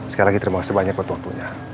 sekali lagi terima kasih banyak untuk waktunya